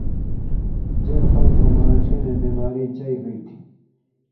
ژرہۡ خلکؤں مہ آݩڇھی وَیں بیماری چئ ہُوئ تھی